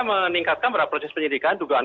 meningkatkan proses penyidikan jugaan